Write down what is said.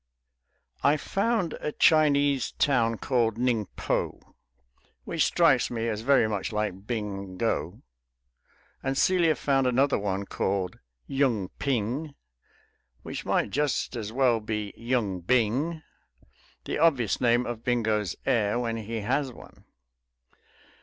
I found a Chinese town called "Ning po," which strikes me as very much like "Bing go," and Celia found another one called "Yung Ping," which might just as well be "Yung Bing," the obvious name of Bingo's heir when he has one.